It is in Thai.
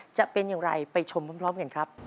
จะเป็นอย่างไรไปชมพร้อมกันครับ